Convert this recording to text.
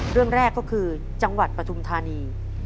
เรื่องแรกก็คือจังหวัดปฐุมธานี